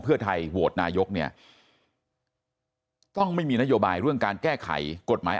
เพื่อไทยโหวตนายกเนี่ยต้องไม่มีนโยบายเรื่องการแก้ไขกฎหมาย